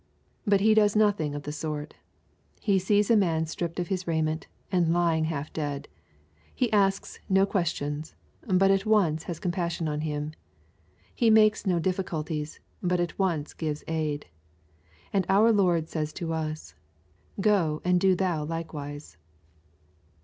But he does nothing of the sort. He sees a man , stripped of his raiment, and lying half dead. He asks \ no questions, but at once has compassion on him. He ; makes no difficulties, but at once gives aid. And our Lord says to us, " Go and do thou likewise."